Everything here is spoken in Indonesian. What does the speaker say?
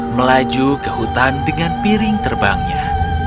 melaju ke hutan dengan piring terbangnya